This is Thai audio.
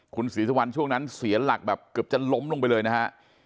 คุณศรีสุวรรณช่วงนั้นเสียหลักแบบเกือบจะล้มลงไปเลยนะฮะ